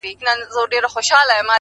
ستا د واده شپې ته شراب پيدا کوم څيښم يې.